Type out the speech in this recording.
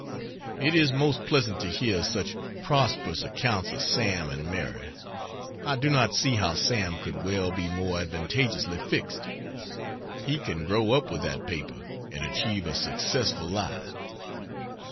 It is most pleasant to hear such prosperous accounts of Sam and Mary, I do not see how Sam could well be more advantageously fixed. He can grow up with that paper, and achieve a successful life.